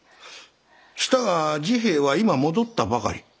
したが治平は今戻ったばかり。